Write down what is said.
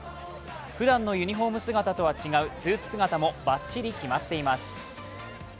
ふだんのユニフォーム姿とは違うスーツ姿もバッチリ決まっています。